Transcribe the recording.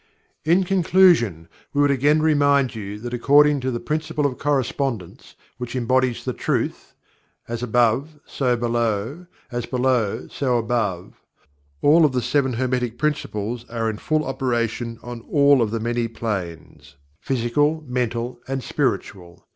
In conclusion we would again remind you that according to the Principle of Correspondence, which embodies the truth: "As Above so Below; as Below, so Above," all of the Seven Hermetic Principles are in full operation on all of the many planes, Physical Mental and Spiritual.